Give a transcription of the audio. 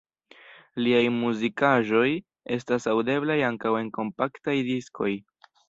Liaj muzikaĵoj estas aŭdeblaj ankaŭ en kompaktaj diskoj.